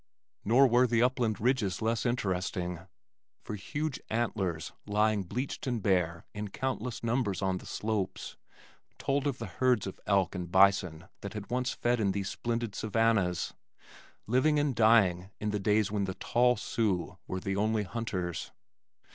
Nor were the upland ridges less interesting, for huge antlers lying bleached and bare in countless numbers on the slopes told of the herds of elk and bison that had once fed in these splendid savannahs, living and dying in the days when the tall Sioux were the only hunters.